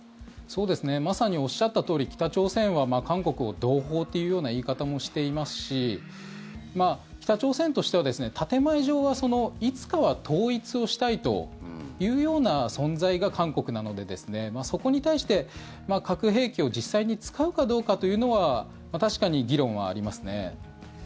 まさにおっしゃったとおり北朝鮮は韓国を同胞というような言い方もしていますし北朝鮮としては建前上はいつかは統一をしたいというような存在が韓国なのでそこに対して、核兵器を実際に使うかどうかというのは確かに議論はありますね。